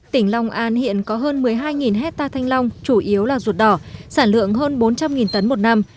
tỉnh long an hiện có hơn một mươi hai hectare thanh long chủ yếu là ruột đỏ sản lượng hơn bốn trăm linh tấn một năm